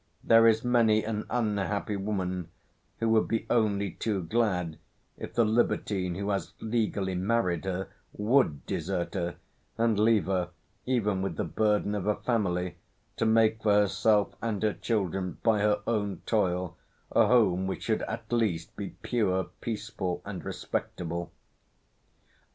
There is many an unhappy woman who would be only too glad if the libertine who has legally married her would desert her, and leave her, even with the burden of a family, to make for herself and her children, by her own toil, a home which should at least be pure, peaceful, and respectable.